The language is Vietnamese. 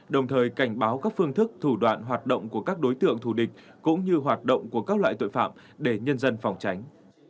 đồng thời cảnh báo các phương thức thủ đoạn hoạt động của các đối tượng thù địch cũng như hoạt động của các loại tội phạm để nhân dân phòng tránh